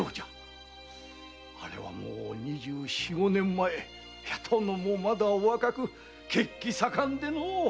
あれはもう二十五年前殿もまだお若く血気盛んでのう。